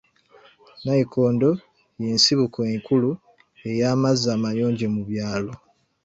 Nayikondo y'ensibuko enkulu ey'amazzi amayonjo mu byalo.